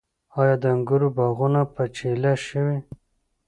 آیا د انګورو باغونه په چیله شوي؟